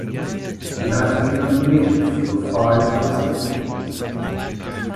He has been nominated for five Eisner Awards.